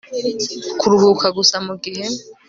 kuruhuka gusa mugihe